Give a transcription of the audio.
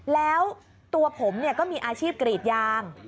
แล้วตัวผมก็มีอาชีพกรีดยาง